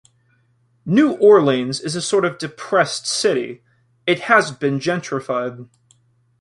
New Orleans is sort of a depressed city; it hasn't been gentrified.